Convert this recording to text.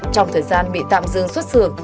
trong thời gian bị tạm dừng xuất dường